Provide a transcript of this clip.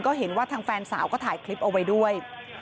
ก็เห็นว่าทางแฟนสาวก็ถ่ายคลิปเอาไว้ด้วย